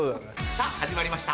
さぁ始まりました。